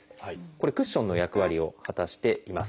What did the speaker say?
これクッションの役割を果たしています。